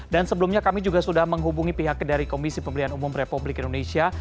dan sebelumnya kami juga sudah menghubungi pihak dari komisi pemilihan umum republik indonesia